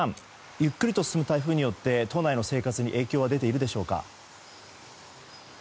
ゆっくりと進む台風によって島内の生活に影響は出ているでしょうか？